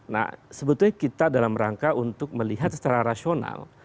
nah sebetulnya kita dalam rangka untuk melihat secara rasional